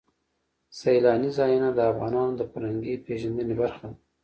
سیلانی ځایونه د افغانانو د فرهنګي پیژندنې برخه ده.